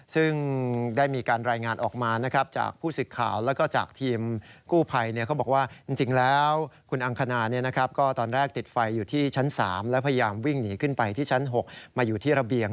ซึ่งได้มีการรายงานออกมานะครับจากผู้สึกข่าวแล้วก็จากทีมกู้ภัยเขาบอกว่าจริงแล้วคุณอังคณาก็ตอนแรกติดไฟอยู่ที่ชั้น๓และพยายามวิ่งหนีขึ้นไปที่ชั้น๖มาอยู่ที่ระเบียง